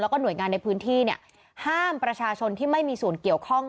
แล้วก็หน่วยงานในพื้นที่เนี่ยห้ามประชาชนที่ไม่มีส่วนเกี่ยวข้อง